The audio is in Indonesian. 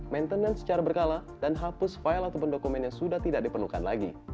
maintenance secara berkala dan hapus file ataupun dokumen yang sudah tidak diperlukan lagi